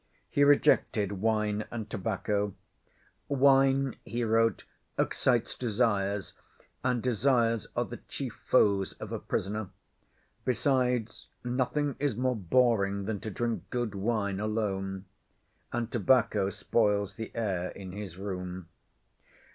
He rejected wine and tobacco. "Wine," he wrote, "excites desires, and desires are the chief foes of a prisoner; besides, nothing is more boring than to drink good wine alone," and tobacco spoils the air in his room.